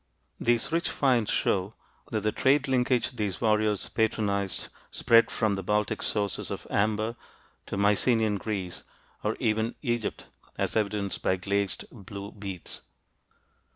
These rich finds show that the trade linkage these warriors patronized spread from the Baltic sources of amber to Mycenean Greece or even Egypt, as evidenced by glazed blue beads.